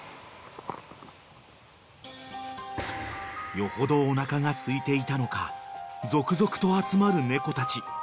［よほどおなかがすいていたのか続々と集まる猫たち］